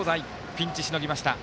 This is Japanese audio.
ピンチしのぎました。